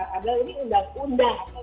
padahal ini undang undang